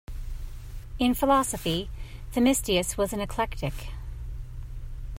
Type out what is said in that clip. In philosophy Themistius was an eclectic.